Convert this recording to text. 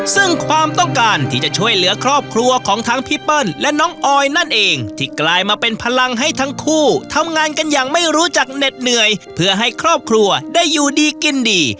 ซึ่งความต้องการที่จะช่วยเหลือครอบครัวของทั้งพี่เปิ้ลและน้องออยนั่นเองที่กลายมาเป็นพลังให้ทั้งคู่ทำงานกันอย่างไม่รู้จักเหน็ดเหนื่อยเพื่อให้ครอบครัวได้อยู่ดีกินดี